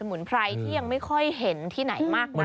มุนไพรที่ยังไม่ค่อยเห็นที่ไหนมากนัก